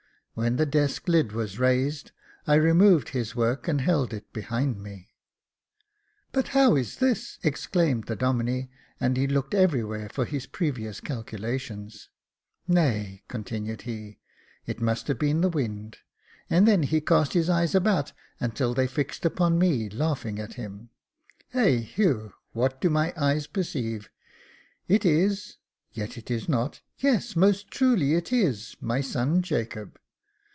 When the desk lid was raised, I removed his work and held it behind me. " But how is this ?" exclaimed the Domine, and he looked everywhere for his previous calculations. " Nay," continued he, *' it must have been the wind j " and then he cast his eyes about until they fixed upon me laughing at him. *' Eheu ! what do my eyes perceive ?— It is, — yet it is not, — yes, most truly it is, my son Jacob.